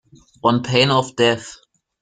On pain of death.